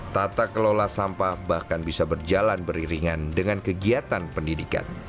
tata kelola sampah bahkan bisa berjalan beriringan dengan kegiatan pendidikan